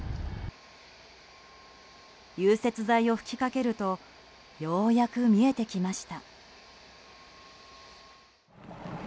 融雪剤を吹きかけるとようやく見えてきました。